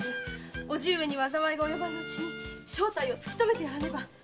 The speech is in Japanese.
叔父上に災いが及ばぬうちに正体を突き止めてやらねば！